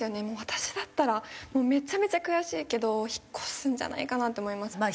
もう私だったらめちゃめちゃ悔しいけど引っ越すんじゃないかなって思います。